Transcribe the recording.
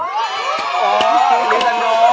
โอ้อมีจันโด